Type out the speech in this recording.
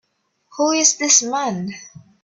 Who is this man?